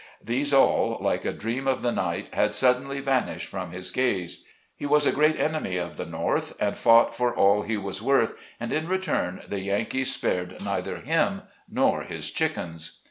These all, like a dream of the night, had suddenly vanished from his gaze. He was a great enemy of the North and fought for all he was worth, and in return the Yankees spared neither him nor his chickens.